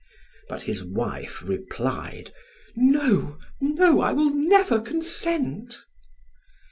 But his wife replied: "No, no, I will never consent."